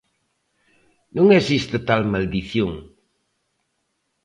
Non existe tal maldición.